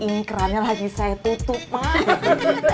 ini kerannya lagi saya tutup mak